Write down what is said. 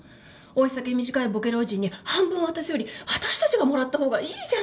老い先短いボケ老人に半分渡すより私たちがもらった方がいいじゃない。